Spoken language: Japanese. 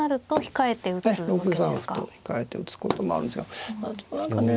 ええ６三歩と控えて打つこともあるんですが何かね